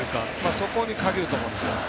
そこに限ると思うんですよ。